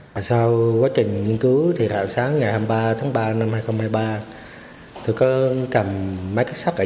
điều đang nói ở đây mặc dù đây là chủ atm nằm ở trung tâm thành phố